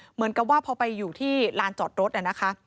เหมือนกับว่าพอไปอยู่ที่ลานจอดรถนะคะ